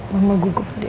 mama gugup deh